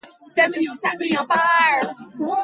It is ok to be true to you.